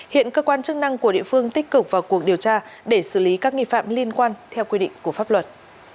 hiện cơ quan chức năng của địa phương tích cực vào cuộc điều tra để xử lý các nghị phạm liên quan theo quy định của pháp luật